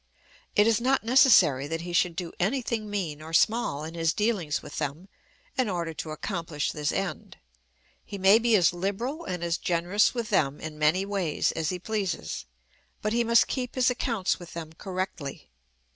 It is not necessary that he should do any thing mean or small in his dealings with them in order to accomplish this end. He may be as liberal and as generous with them in many ways as he pleases, but he must keep his accounts with them correctly.